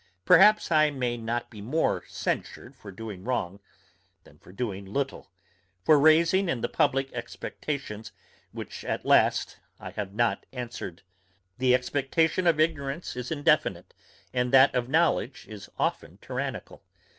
Perhaps I may not be more censured for doing wrong, than for doing little; for raising in the publick expectations, which at last I have not answered. The expectation of ignorance is indefinite, and that of knowledge is often tyrannical.